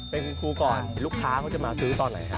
เป็นคุณครูก่อนลูกค้าเขาจะมาซื้อตอนไหนครับ